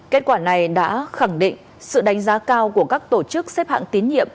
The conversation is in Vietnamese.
kết quả này đã khẳng định sự đánh giá cao của các tổ chức xếp hạng tín nhiệm